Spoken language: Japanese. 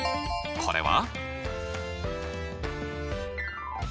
これは？